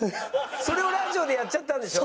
それをラジオでやっちゃったんでしょ？